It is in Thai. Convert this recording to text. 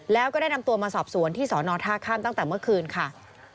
แล้วก็ได้นำตัวมาสอบสวนที่สอนอท่าข้ามตั้งแต่เมื่อคืนค่ะ